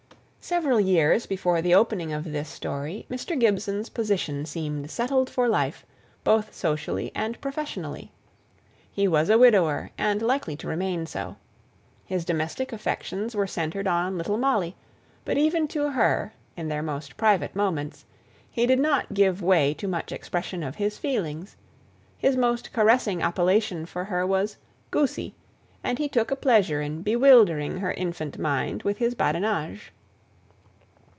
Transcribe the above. Several years before the opening of this story, Mr. Gibson's position seemed settled for life, both socially and professionally. He was a widower, and likely to remain so; his domestic affections were centred on little Molly, but even to her, in their most private moments, he did not give way to much expression of his feelings; his most caressing appellation for her was "Goosey," and he took a pleasure in bewildering her infant mind with his badinage.